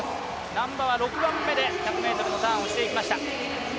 難波は６番目で１００ｍのターンをしていきました。